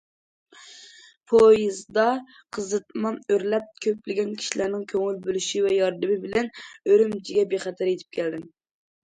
پويىزدا قىزىتمام ئۆرلەپ، كۆپلىگەن كىشىلەرنىڭ كۆڭۈل بۆلۈشى ۋە ياردىمى بىلەن ئۈرۈمچىگە بىخەتەر يېتىپ كەلدىم.